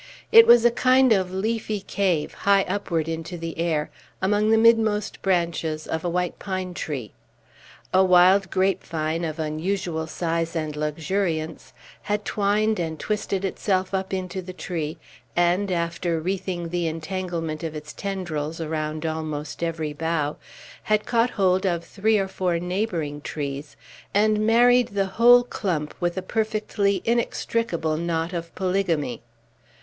It was a kind of leafy cave, high upward into the air, among the midmost branches of a white pine tree. A wild grapevine, of unusual size and luxuriance, had twined and twisted itself up into the tree, and, after wreathing the entanglement of its tendrils around almost every bough, had caught hold of three or four neighboring trees, and married the whole clump with a perfectly inextricable knot of polygamy.